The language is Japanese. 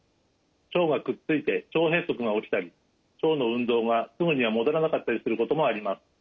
腸がくっついて腸閉塞が起きたり腸の運動がすぐには戻らなかったりすることもあります。